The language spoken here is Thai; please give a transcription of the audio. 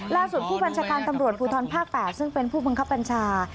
ผู้บัญชาการตำรวจภูทรภาค๘ซึ่งเป็นผู้บังคับบัญชา